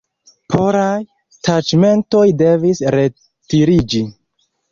Polaj taĉmentoj devis retiriĝi.